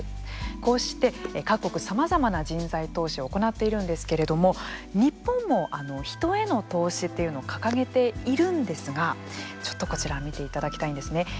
こうして各国さまざまな人材投資を行っているんですけれども日本も人への投資というのを掲げているんですがちょっと、こちら見ていただきたいんですね。